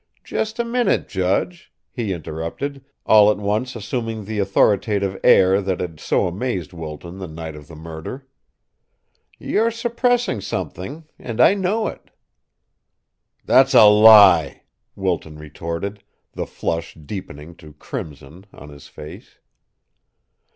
"Just a minute, judge!" he interrupted, all at once assuming the authoritative air that had so amazed Wilton the night of the murder. "You're suppressing something and I know it!" "That's a lie!" Wilton retorted, the flush deepening to crimson on his face.